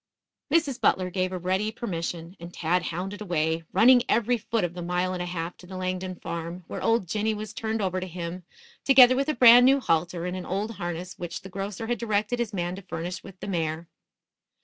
Mrs. Butler gave a ready permission, and Tad hounded away, running every foot of the mile and a half to the Langdon farm, where old Jinny was turned over to him, together with a brand new halter and an old harness which the grocer had directed his man to furnish with the mare.